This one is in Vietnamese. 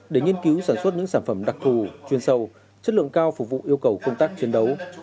để nghiên cứu sản xuất những sản phẩm đặc thù chuyên sâu chất lượng cao phục vụ yêu cầu công tác chiến đấu